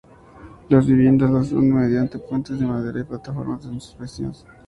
Las viviendas las unen mediante puentes de madera y plataformas en suspensión.